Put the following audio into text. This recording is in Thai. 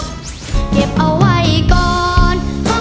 ต้องรีบมานั่งหน้าจอเชียร์น้องอิดกันนะครับ